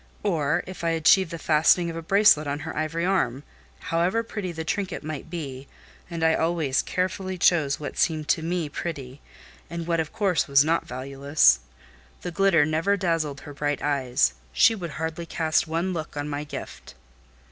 Or, if I achieved the fastening of a bracelet on her ivory arm, however pretty the trinket might be (and I always carefully chose what seemed to me pretty, and what of course was not valueless), the glitter never dazzled her bright eyes: she would hardly cast one look on my gift."